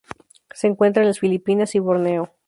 Se encuentra en las Filipinas y Borneo.